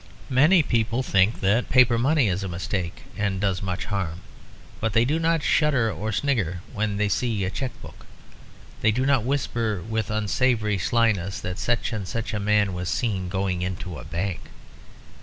Many people think that paper money is a mistake and does much harm. But they do not shudder or snigger when they see a cheque book. They do not whisper with unsavoury slyness that such and such a man was "seen" going into a bank.